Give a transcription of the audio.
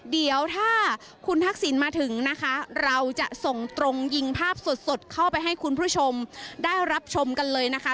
เดี๋ยวถ้าคุณทักษิณมาถึงนะคะเราจะส่งตรงยิงภาพสดเข้าไปให้คุณผู้ชมได้รับชมกันเลยนะคะ